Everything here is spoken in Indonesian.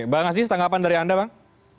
bang aziz tanggapan dari anda bang